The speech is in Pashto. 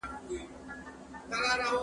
هغه په پوهنتون کي د علمي مشر په توګه کار کوي.